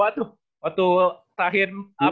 dua tuh waktu terakhir